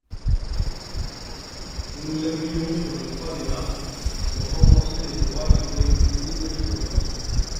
Nous nous appuyons sur le droit des marques pour renforcer les droits des collectivités territoriales.